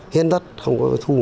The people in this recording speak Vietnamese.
hiến đất không có thù